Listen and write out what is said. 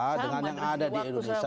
sama dengan yang ada di indonesia